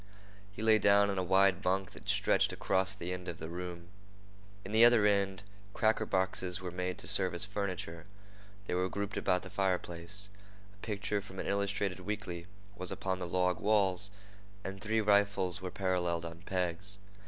He lay down on a wide bunk that stretched across the end of the room. In the other end, cracker boxes were made to serve as furniture. They were grouped about the fireplace. A picture from an illustrated weekly was upon the log walls, and three rifles were paralleled on pegs.